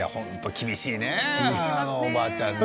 厳しいね、おばあちゃん